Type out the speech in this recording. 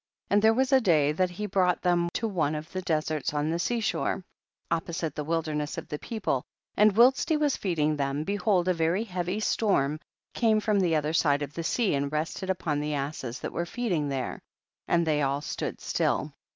30. And there was a day that he brought them to one of the deserts on the sea shore, opposite the wilder ness of the people, and whilst he was feeding them, behold a very heavy storm came from the other side of the sea and rested upon the asses that were feeding there, and they all stood still.